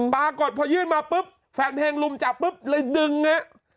ปรากฏพอยื่นมาปุ๊บแฟนเพลงลุมจับปุ๊บเลยดึงฮะ